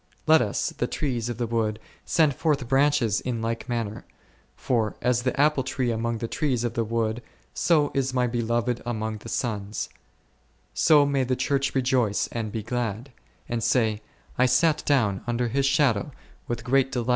Let us, the trees of the wood, send forth branches in like manner, for, as the apple tree among the trees of the wood, so is my Beloved among the sons ; so may the Church rejoice and be glad, and say, / sat down under His shadow with great de y Isaiah xxxv.